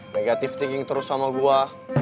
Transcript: negatif thinking terus sama gue